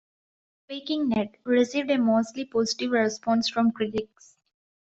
"Waking Ned" received a mostly positive response from critics.